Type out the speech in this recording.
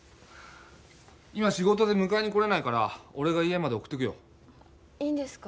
今仕事で迎えに来れないから俺が家まで送ってくよいいんですか？